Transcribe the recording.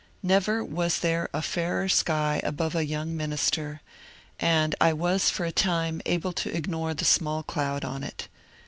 Nerer was there a fairer sky above a young minister, and I was for a time able to ignore the small cloud in it.